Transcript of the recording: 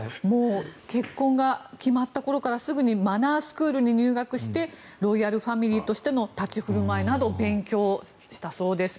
結婚が決まった頃からすぐにマナースクールに入学してロイヤルファミリーとしての立ち振る舞いなどを勉強したそうです。